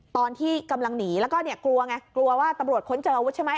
ตอนที่กำลังหนีแล้วก็เนี่ยกลัวไงกลัวว่าตำรวจค้นเจออาวุธใช่ไหม